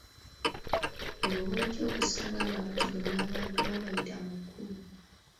Beebo b’ojja okusanga nga batigomya abantu abayita mu kubba.